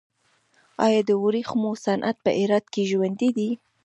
آیا د ورېښمو صنعت په هرات کې ژوندی دی؟